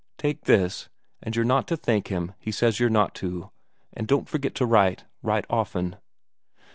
"Take this and you're not to thank him, he says you're not to. And don't forget to write; write often."